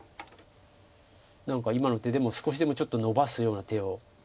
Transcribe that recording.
何か今の手でも少しでもちょっとのばすような手を。